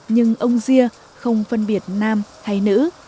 nhưng ông ria không phân biệt nam hay nữ